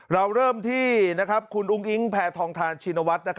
เราเริ่มที่คุณอุ้งอิงแพทองทานชินวัฒน์